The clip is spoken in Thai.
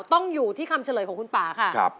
ต้องอยู่ที่คำเฉลยของคุณป่าค่ะ